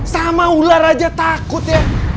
sama ular aja takut ya